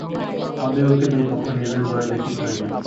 আমাদিগকে দুই পক্ষই নির্ভীকভাবে দেখিতে হইবে।